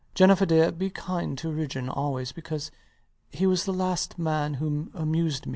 Jennifer dear: be kind to Ridgeon always; because he was the last man who amused me.